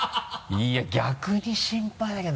いや逆に心配だけど。